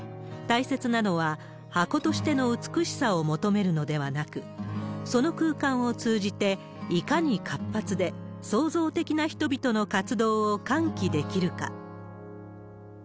大切なのは、箱としての美しさを求めるのではなく、その空間を通じて、いかに活発で創造的な人々の活動を喚起できるか。